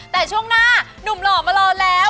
แต่ช่วงหน้านุ่มหล่อมารอแล้ว